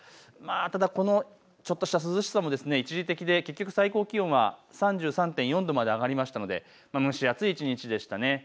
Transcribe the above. ただ、このちょっとした涼しさも一時的で結局最高気温は３３．４度まで上がったので蒸し暑い一日でした。